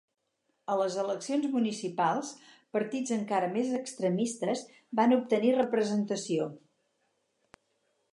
A les eleccions municipals, partits encara més extremistes van obtenir representació.